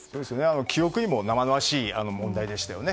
記憶にも生々しい問題ですね。